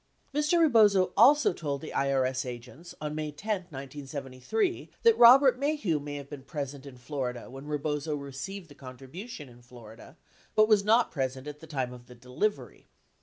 53 Mr. Bebozo also told the IBS agents on May 10, 1973, that Bobert, Maheu may have been present in Florida when Bebozo received the contribution in Florida, but was not present at the time of the delivery.